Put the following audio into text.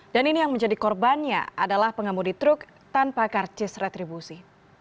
dan ini yang menjadi korbannya adalah pengemudi truk tanpa kartis retribusi